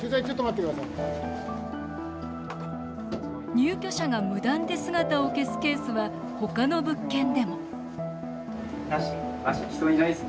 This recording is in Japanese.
入居者が無断で姿を消すケースはほかの物件でも。